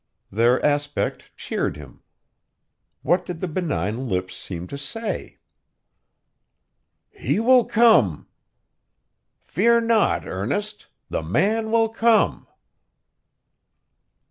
Their aspect cheered him. What did the benign lips seem to say? 'He will come! Fear not, Ernest; the man will come!